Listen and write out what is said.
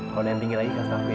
kau nendingin lagi kasus aku ya